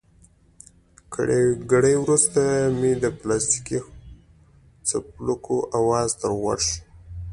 ګړی وروسته مې د پلاستیکي څپلکو اواز تر غوږو شو.